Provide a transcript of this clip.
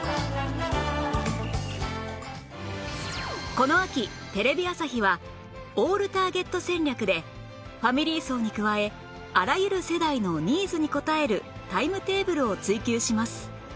この秋テレビ朝日はオールターゲット戦略でファミリー層に加えあらゆる世代のニーズに応えるタイムテーブルを追求します！